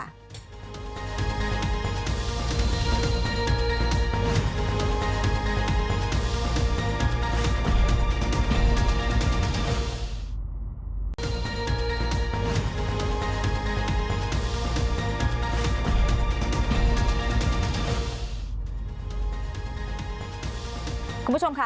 คุณผู้ชมค่ะคุณผู้ชมค่ะ